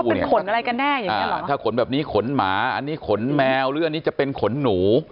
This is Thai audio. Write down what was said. ว่าเป็นขนอะไรกันแน่ถ้าขนแบบนี้ขนหมาอันนี้ขนแมวหรืออันนี้จะเป็นขนหนู